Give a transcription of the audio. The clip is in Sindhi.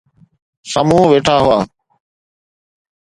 سامهون ويٺا هئا